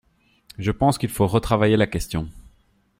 Je pense qu’il faut retravailler la question.